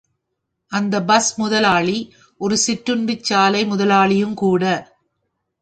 அந்தப் பஸ் முதலாளி ஒரு சிற்றுண்டிச்சாலை முதலாளியும்கூட.